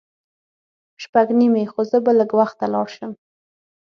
شپږ نیمې خو زه به لږ وخته لاړ شم.